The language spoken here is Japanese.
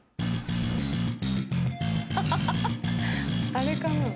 あれかな？